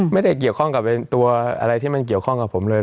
ไม่ได้เกี่ยวข้องกับตัวอะไรที่มันเกี่ยวข้องกับผมเลย